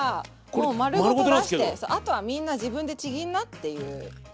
もう丸ごと出してそうあとはみんな自分でちぎんなっていうピーマンです。